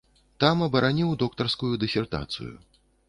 Там абараніў доктарскую дысертацыю.